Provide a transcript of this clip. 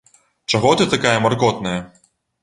Чаго ты такая маркотная?